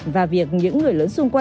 và cái hệ thống